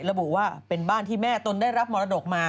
ระบุว่าเป็นบ้านที่แม่ตนได้รับมรดกมา